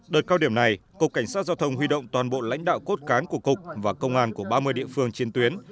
đợt cao điểm này cục cảnh sát giao thông huy động toàn bộ lãnh đạo cốt cán của cục và công an của ba mươi địa phương trên tuyến